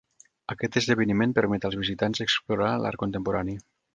Aquest esdeveniment permet als visitants explorar l'art contemporani.